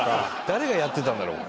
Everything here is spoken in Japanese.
誰がやってたんだろう？